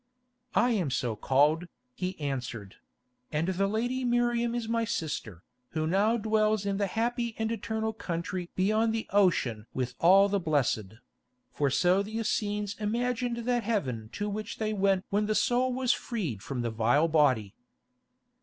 "I am so called," he answered; "and the lady Miriam is my sister, who now dwells in the happy and eternal country beyond the ocean with all the blessed"—for so the Essenes imagined that heaven to which they went when the soul was freed from the vile body.